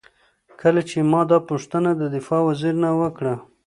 کله چې ما دا پوښتنه له دفاع وزیر نه وکړه.